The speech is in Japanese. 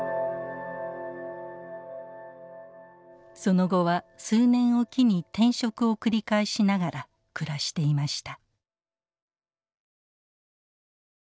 その後は数年おきに転職を繰り返しながら暮らしていました。